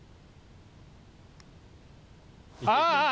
ああ。